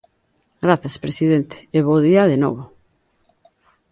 Grazas, presidente, e bo día de novo.